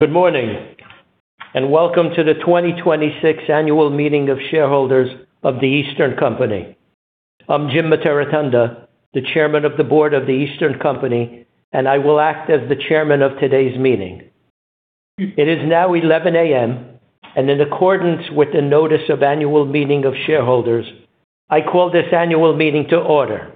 Good morning, and welcome to the 2026 Annual Meeting of Shareholders of The Eastern Company. I'm Jim Mitarotonda, the Chairman of the Board of The Eastern Company, and I will act as the Chairman of today's meeting. It is now 11:00AM. In accordance with the notice of annual meeting of shareholders, I call this annual meeting to order.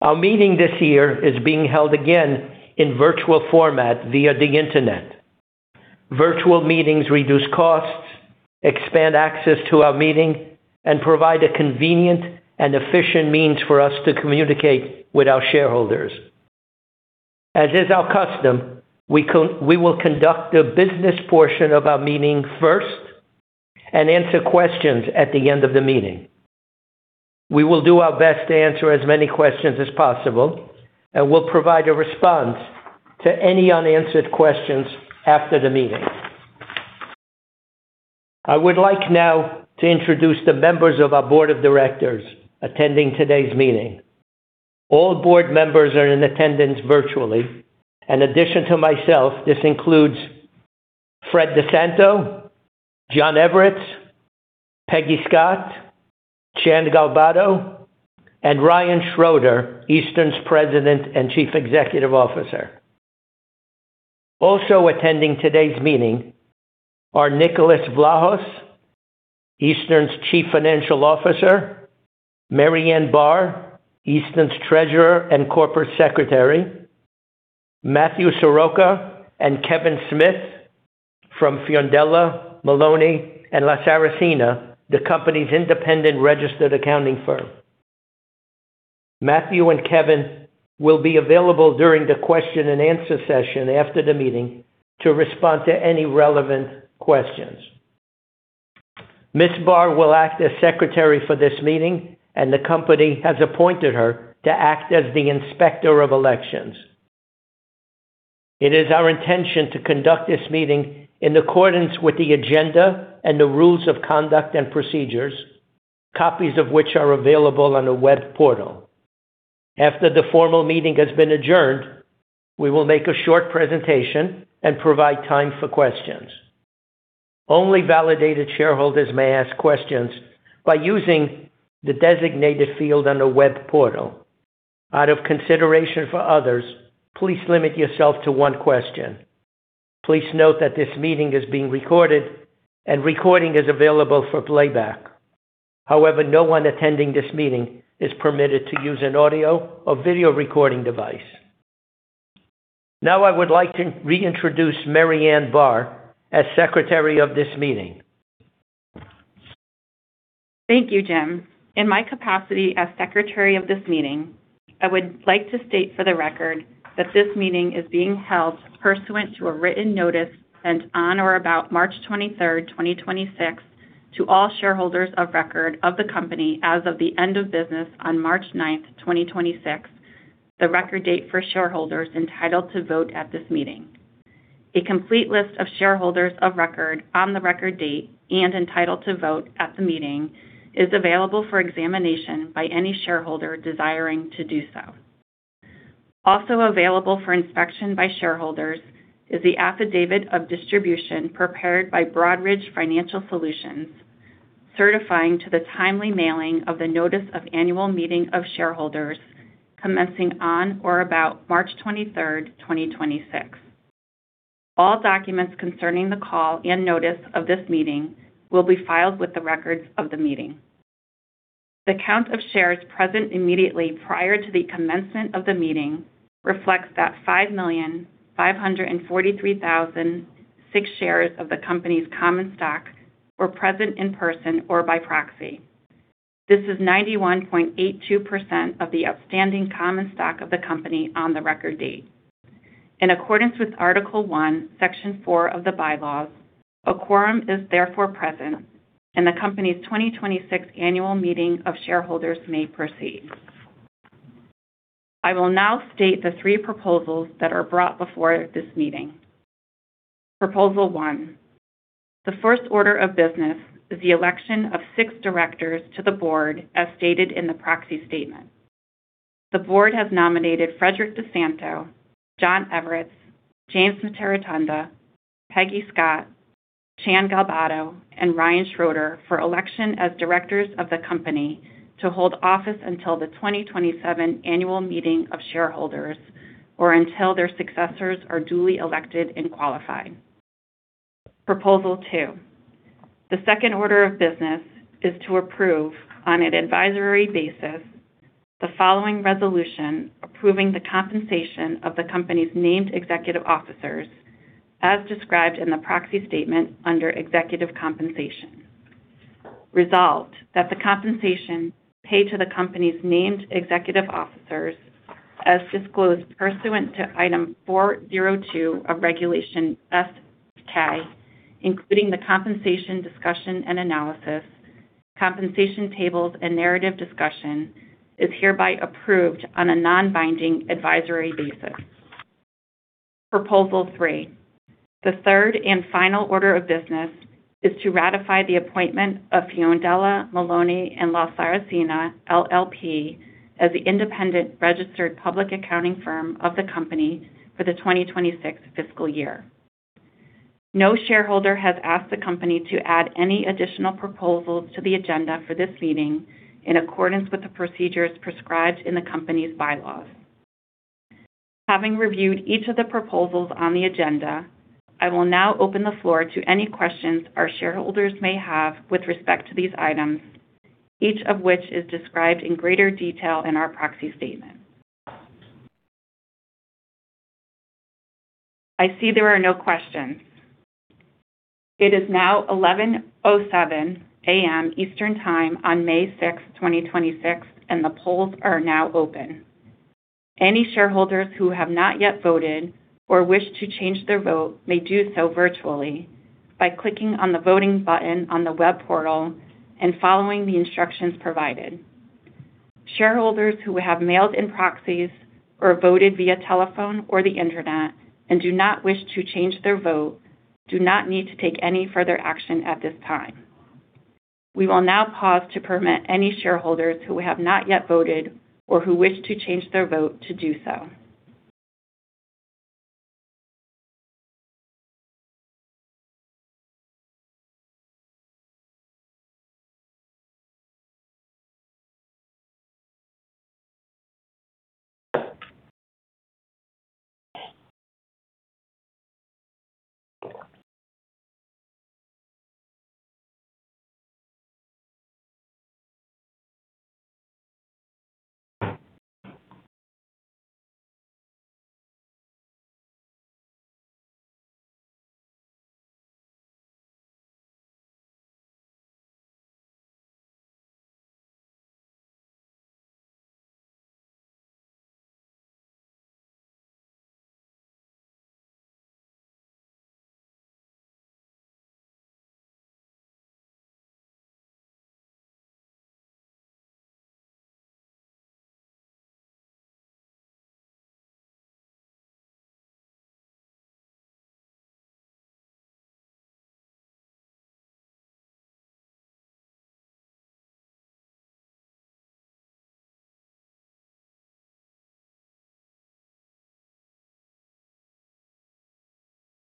Our meeting this year is being held again in virtual format via the Internet. Virtual meetings reduce costs, expand access to our meeting, and provide a convenient and efficient means for us to communicate with our shareholders. As is our custom, we will conduct the business portion of our meeting first and answer questions at the end of the meeting. We will do our best to answer as many questions as possible. We'll provide a response to any unanswered questions after the meeting. I would like now to introduce the members of our board of directors attending today's meeting. All board members are in attendance virtually. In addition to myself, this includes Fred DiSanto, John Everets, Peggy Scott, Chan Galbato, and Ryan Schroeder, Eastern's President and Chief Executive Officer. Also attending today's meeting are Nicholas Vlahos, Eastern's Chief Financial Officer. Marianne Barr, Eastern's Treasurer and Corporate Secretary. Matthew Soroka and Kevin Smith from Fiondella, Milone & LaSaracina, the company's independent registered accounting firm. Matthew and Kevin will be available during the question and answer session after the meeting to respond to any relevant questions. Ms. Barr will act as secretary for this meeting, and the company has appointed her to act as the Inspector of Elections. It is our intention to conduct this meeting in accordance with the agenda and the rules of conduct and procedures, copies of which are available on the web portal. After the formal meeting has been adjourned, we will make a short presentation and provide time for questions. Only validated shareholders may ask questions by using the designated field on the web portal. Out of consideration for others, please limit yourself to one question. Please note that this meeting is being recorded, and recording is available for playback. However, no one attending this meeting is permitted to use an audio or video recording device. I would like to reintroduce Marianne Barr as secretary of this meeting. Thank you, Jim. In my capacity as secretary of this meeting, I would like to state for the record that this meeting is being held pursuant to a written notice sent on or about March 23rd, 2026 to all shareholders of record of the company as of the end of business on March 9th, 2026, the record date for shareholders entitled to vote at this meeting. A complete list of shareholders of record on the record date and entitled to vote at the meeting is available for examination by any shareholder desiring to do so. Also available for inspection by shareholders is the affidavit of distribution prepared by Broadridge Financial Solutions, certifying to the timely mailing of the notice of annual meeting of shareholders commencing on or about March 23rd, 2026. All documents concerning the call and notice of this meeting will be filed with the records of the meeting. The count of shares present immediately prior to the commencement of the meeting reflects that 5,543,006 shares of the Company's common stock were present in person or by proxy. This is 91.82% of the outstanding common stock of the Company on the record date. In accordance with Article 1, Section 4 of the bylaws, a quorum is therefore present and the Company's 2026 annual meeting of shareholders may proceed. I will now state the three proposals that are brought before this meeting. Proposal one. The first order of business is the election of 6 directors to the board as stated in the proxy statement. The board has nominated Frederick DiSanto, John Everets, James Mitarotonda, Peggy Scott, Chan Galbato, and Ryan Schroeder for election as directors of the company to hold office until the 2027 annual meeting of shareholders or until their successors are duly elected and qualified. Proposal two. The second order of business is to approve on an advisory basis the following resolution approving the compensation of the company's named executive officers as described in the proxy statement under executive compensation. Resolved that the compensation paid to the company's named executive officers as disclosed pursuant to Item 402 of Regulation S-K, including the compensation discussion and analysis, compensation tables and narrative discussion, is hereby approved on a non-binding advisory basis. Proposal three. The third and final order of business is to ratify the appointment of Fiondella, Milone & LaSaracina LLP as the independent registered public accounting firm of the company for the 2026 fiscal year. No shareholder has asked the company to add any additional proposals to the agenda for this meeting in accordance with the procedures prescribed in the company's bylaws. Having reviewed each of the proposals on the agenda, I will now open the floor to any questions our shareholders may have with respect to these items, each of which is described in greater detail in our proxy statement. I see there are no questions. It is now 11:07AM. Eastern Time on May 6th, 2026, and the polls are now open. Any shareholders who have not yet voted or wish to change their vote may do so virtually by clicking on the voting button on the web portal and following the instructions provided. Shareholders who have mailed in proxies or voted via telephone or the internet and do not wish to change their vote do not need to take any further action at this time. We will now pause to permit any shareholders who have not yet voted or who wish to change their vote to do so.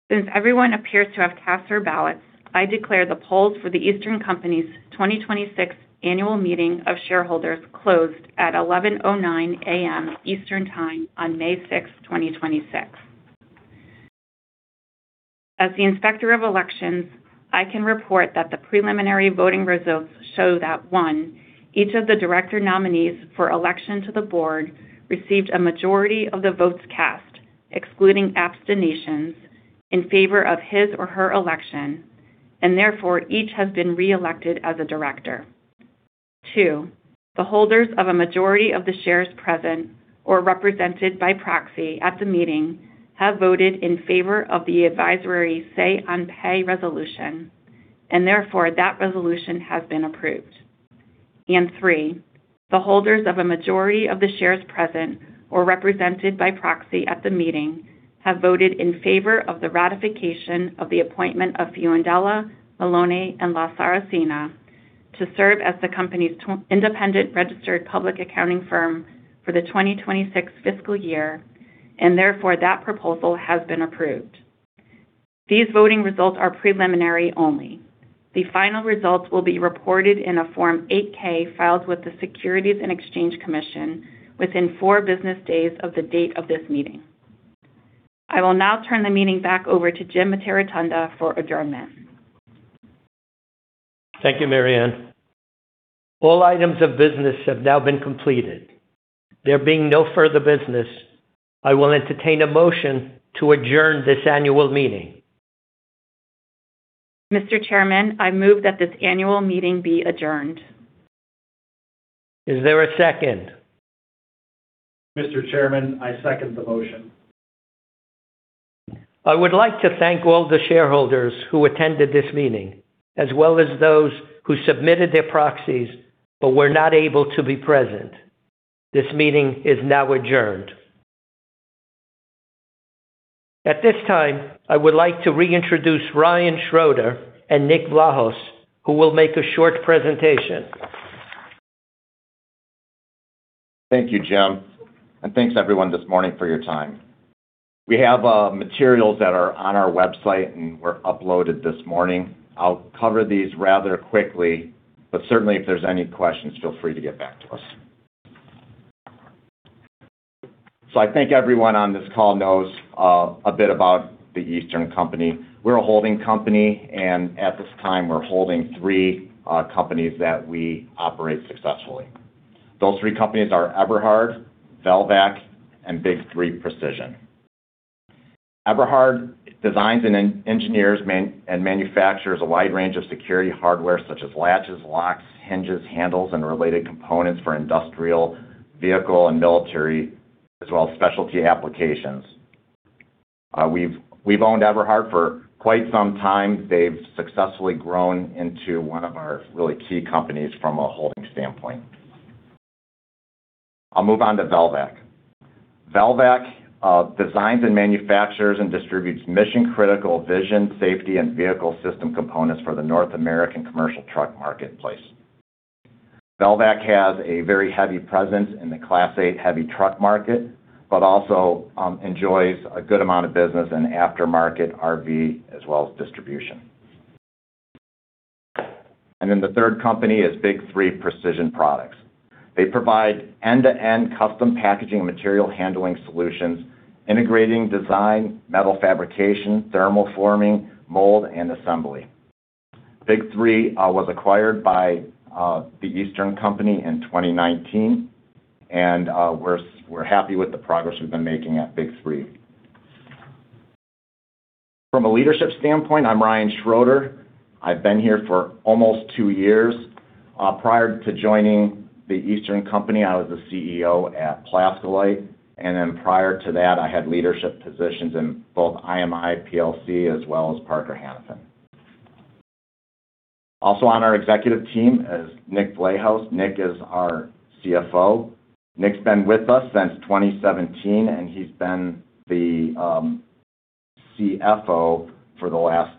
Since everyone appears to have cast their ballots, I declare the polls for The Eastern Company's 2026 annual meeting of shareholders closed at 11:09AM. Eastern Time on May 6th, 2026. As the Inspector of Elections, I can report that the preliminary voting results show that, one, each of the director nominees for election to the board received a majority of the votes cast, excluding abstentions, in favor of his or her election, and therefore each has been reelected as a director. Two, the holders of a majority of the shares present or represented by proxy at the meeting have voted in favor of the advisory say-on-pay resolution, and therefore that resolution has been approved. Three, the holders of a majority of the shares present or represented by proxy at the meeting have voted in favor of the ratification of the appointment of Fiondella, Milone & LaSaracina to serve as the company's independent registered public accounting firm for the 2026 fiscal year, and therefore that proposal has been approved. These voting results are preliminary only. The final results will be reported in a Form 8-K filed with the Securities and Exchange Commission within four business days of the date of this meeting. I will now turn the meeting back over to Jim Mitarotonda for adjournment. Thank you, Marianne. All items of business have now been completed. There being no further business, I will entertain a motion to adjourn this annual meeting. Mr. Chairman, I move that this annual meeting be adjourned. Is there a second? Mr. Chairman, I second the motion. I would like to thank all the shareholders who attended this meeting, as well as those who submitted their proxies but were not able to be present. This meeting is now adjourned. At this time, I would like to reintroduce Ryan Schroeder and Nick Vlahos, who will make a short presentation. Thank you, Jim, and thanks everyone this morning for your time. We have materials that are on our website and were uploaded this morning. I'll cover these rather quickly, but certainly if there's any questions, feel free to get back to us. I think everyone on this call knows a bit about The Eastern Company. We're a holding company, and at this time we're holding three companies that we operate successfully. Those three companies are Eberhard, Velvac, and Big 3 Precision. Eberhard designs and engineers and manufactures a wide range of security hardware such as latches, locks, hinges, handles, and related components for industrial, vehicle, and military, as well as specialty applications. We've owned Eberhard for quite some time. They've successfully grown into one of our really key companies from a holding standpoint. I'll move on to Velvac. Velvac designs and manufactures and distributes mission-critical vision, safety, and vehicle system components for the North American commercial truck marketplace. Velvac has a very heavy presence in the Class 8 heavy truck market, but also enjoys a good amount of business in aftermarket RV as well as distribution. The third company is Big 3 Precision Products. They provide end-to-end custom packaging and material handling solutions, integrating design, metal fabrication, thermoforming, mold, and assembly. Big 3 was acquired by The Eastern Company in 2019, and we're happy with the progress we've been making at Big 3. From a leadership standpoint, I'm Ryan Schroeder. I've been here for almost two years. Prior to joining The Eastern Company, I was the CEO at Plaskolite. Prior to that, I had leadership positions in both IMI plc as well as Parker Hannifin. On our executive team is Nicholas Vlahos. Nicholas is our CFO. Nicholas's been with us since 2017, and he's been the CFO for the last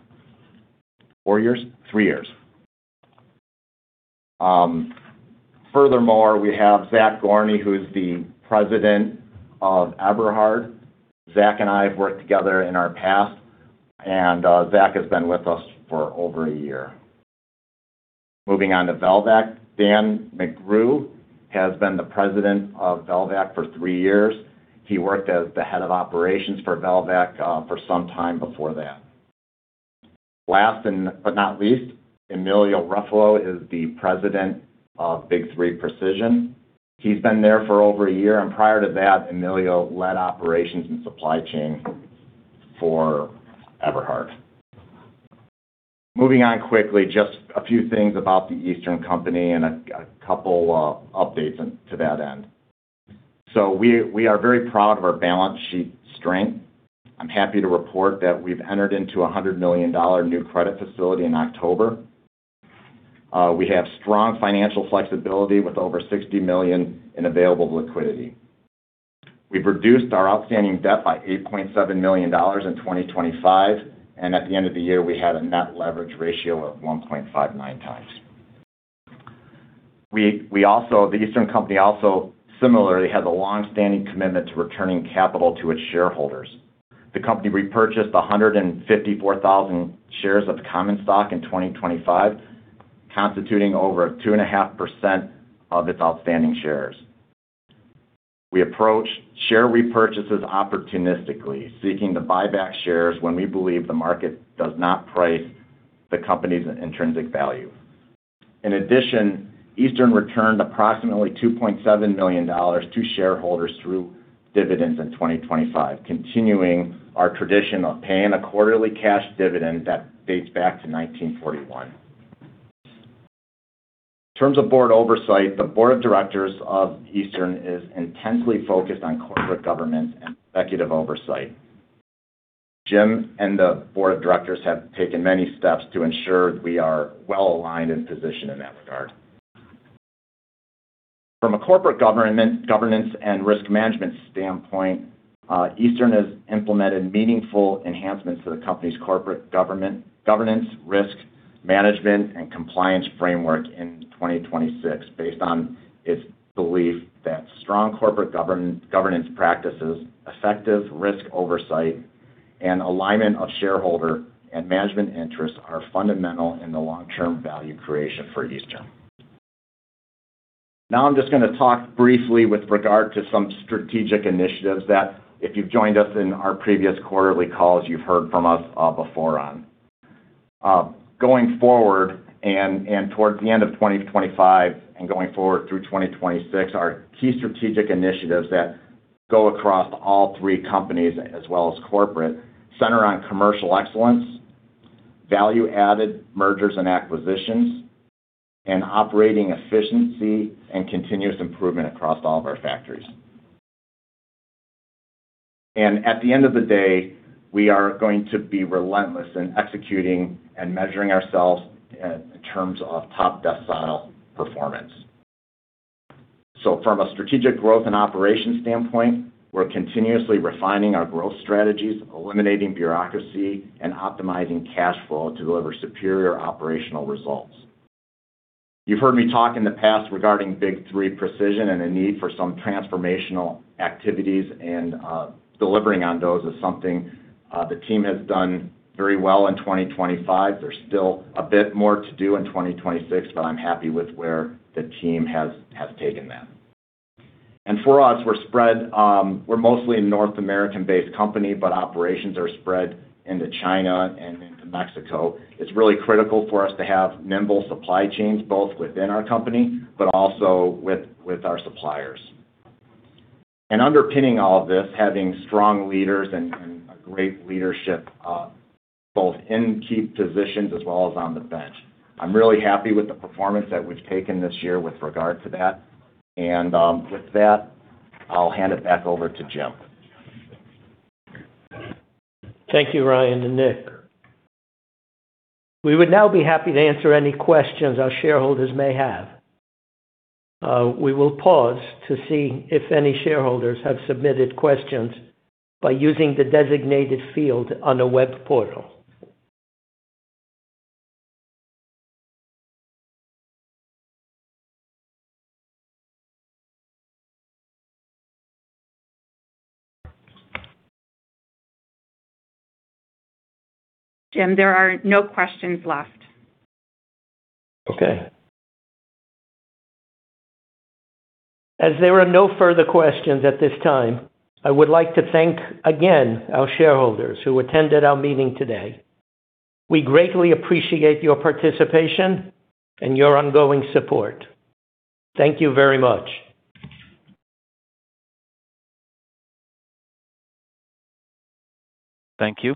four years? Three years. Furthermore, we have Zachary Gorny, who is the President of Eberhard. Zachary and I have worked together in our past, and Zachary has been with us for over 1 year. Moving on to Velvac. Dan McGrew has been the President of Velvac for three years. He worked as the Head of Operations for Velvac for some time before that. Last and but not least, Emilio Ruffolo is the President of Big 3 Precision. He's been there for over one year, and prior to that, Emilio led operations and supply chain for Eberhard. Moving on quickly, just a few things about The Eastern Company and a couple updates to that end. We are very proud of our balance sheet strength. I'm happy to report that we've entered into a $100 million new credit facility in October. We have strong financial flexibility with over $60 million in available liquidity. We've reduced our outstanding debt by $8.7 million in 2025, and at the end of the year, we had a net leverage ratio of 1.59x. The Eastern Company also similarly has a long-standing commitment to returning capital to its shareholders. The company repurchased 154,000 shares of common stock in 2025, constituting over 2.5% of its outstanding shares. We approach share repurchases opportunistically, seeking to buy back shares when we believe the market does not price the company's intrinsic value. In addition, Eastern returned approximately $2.7 million to shareholders through dividends in 2025, continuing our tradition of paying a quarterly cash dividend that dates back to 1941. In terms of board oversight, the board of directors of Eastern is intensely focused on corporate governance and executive oversight. Jim and the Board of Directors have taken many steps to ensure we are well aligned and positioned in that regard. From a corporate governance and risk management standpoint, Eastern has implemented meaningful enhancements to the company's corporate governance, risk management, and compliance framework in 2026 based on its belief that strong corporate governance practices, effective risk oversight, and alignment of shareholder and management interests are fundamental in the long-term value creation for Eastern. Now I'm just gonna talk briefly with regard to some strategic initiatives that if you've joined us in our previous quarterly calls, you've heard from us before on. Going forward and towards the end of 2025 and going forward through 2026, our key strategic initiatives that go across all three companies as well as corporate center on commercial excellence, value-added mergers and acquisitions, and operating efficiency and continuous improvement across all of our factories. At the end of the day, we are going to be relentless in executing and measuring ourselves in terms of top decile performance. From a strategic growth and operations standpoint, we're continuously refining our growth strategies, eliminating bureaucracy, and optimizing cash flow to deliver superior operational results. You've heard me talk in the past regarding Big 3 Precision and a need for some transformational activities, and delivering on those is something the team has done very well in 2025. There's still a bit more to do in 2026, but I'm happy with where the team has taken that. For us, we're spread, we're mostly a North American-based company, but operations are spread into China and into Mexico. It's really critical for us to have nimble supply chains, both within our company but also with our suppliers. Underpinning all of this, having strong leaders and a great leadership, both in key positions as well as on the bench. I'm really happy with the performance that we've taken this year with regard to that. With that, I'll hand it back over to Jim. Thank you, Ryan and Nick. We would now be happy to answer any questions our shareholders may have. We will pause to see if any shareholders have submitted questions by using the designated field on the web portal. Jim, there are no questions left. Okay. As there are no further questions at this time, I would like to thank again our shareholders who attended our meeting today. We greatly appreciate your participation and your ongoing support. Thank you very much. Thank you.